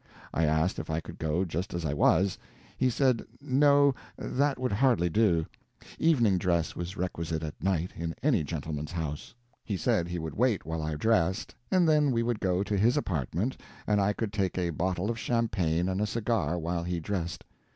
I asked if I could go just as I was. He said no, that would hardly do; evening dress was requisite at night in any gentleman's house. He said he would wait while I dressed, and then we would go to his apartments and I could take a bottle of champagne and a cigar while he dressed.